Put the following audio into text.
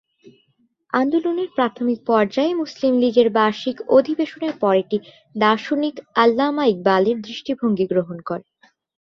আন্দোলনের প্রাথমিক পর্যায়ে মুসলিম লীগের বার্ষিক অধিবেশনের পর এটি দার্শনিক আল্লামা ইকবালের দৃষ্টিভঙ্গি গ্রহণ করে।